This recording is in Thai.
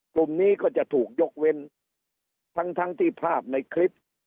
กลุ่มนี้ก็จะถูกยกเว้นทั้งทั้งที่ภาพในคลิป